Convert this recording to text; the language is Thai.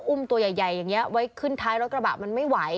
อุ้มตัวใหญ่อย่างนี้ไว้ขึ้นท้ายรถกระบะมันไม่ไหว